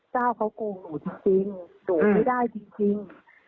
เจ้าเขากลุ่มหนูจริงถูกไม่ได้จริง